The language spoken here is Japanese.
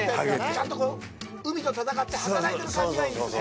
ちゃんと海と戦って働いてる感じがいいんですね。